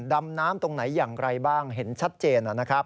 ดำน้ำตรงไหนอย่างไรบ้างเห็นชัดเจนนะครับ